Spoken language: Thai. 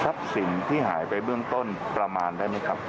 สินที่หายไปเบื้องต้นประมาณได้ไหมครับ